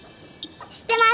知ってます。